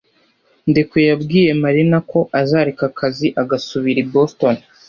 Ndekwe yabwiye Marina ko azareka akazi agasubira i Boston.